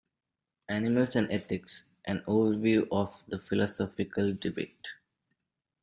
"Animals and Ethics: An Overview of the Philosophical Debate".